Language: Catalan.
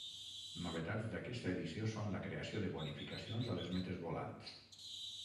Novetats d'aquesta edició són la creació de bonificacions a les metes volants.